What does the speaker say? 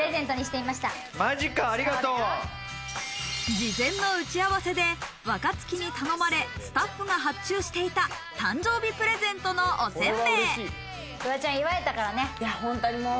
事前の打ち合わせで若槻に頼まれ、スタッフが発注していた誕生日プレゼントのお煎餅。